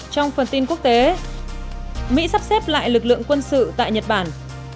trong phần tin quốc tế mỹ sắp xếp lại lực lượng quân sự tại nhật bản